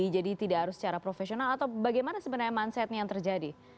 jadi tidak harus secara profesional atau bagaimana sebenarnya mindsetnya yang terjadi